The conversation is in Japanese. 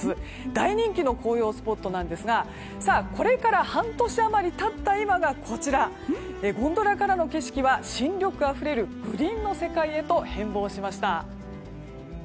大人気の紅葉スポットなんですがこれから半年余り経った今がゴンドラからの景色は新緑あふれるグリーンの世界へと変貌しました。